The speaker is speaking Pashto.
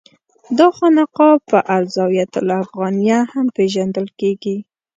دا خانقاه په الزاویة الافغانیه هم پېژندل کېږي.